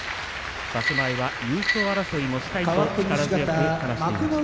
場所前は優勝争いもしたい力強い話をしていました。